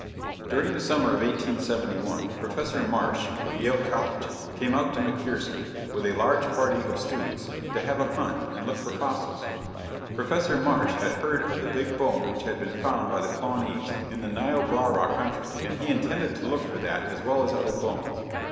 During the summer of 1871, Professor Marsh, of Yale College, came out to McPherson, with a large party of students to have a hunt and to look for fossils. Professor Marsh had heard of the big bone which had been found by the Pawnees in the Niobrara country, and he intended to look for that as well as other bones.